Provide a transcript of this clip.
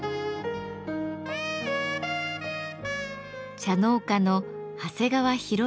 茶農家の長谷川裕晃さん。